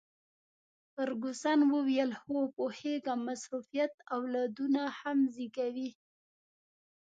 فرګوسن وویل: هو، پوهیږم، مصروفیت اولادونه هم زیږوي.